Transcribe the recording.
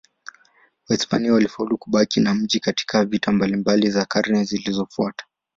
Wahispania walifaulu kubaki na mji katika vita mbalimbali za karne zilizofuata.